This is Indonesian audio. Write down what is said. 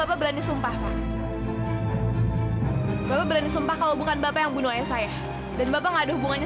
berani sumpah berani sumpah kalau bukan bapak yang bunuh saya dan bapak mengadu hubungannya